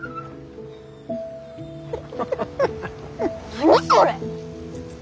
何それ！